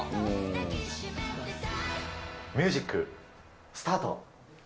ミュージック、スタート。